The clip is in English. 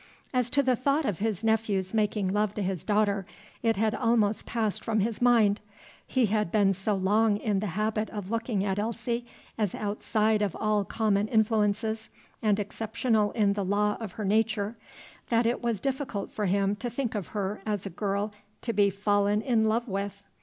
As to the thought of his nephew's making love to his daughter, it had almost passed from his mind. He had been so long in the habit of looking at Elsie as outside of all common influences and exceptional in the law of her nature, that it was difficult for him to think of her as a girl to be fallen in love with.